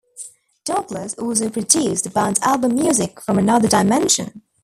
Douglas also produced the band's album Music from Another Dimension!